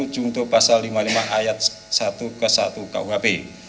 juntuh pasal lima puluh lima ayat satu ke satu kuhp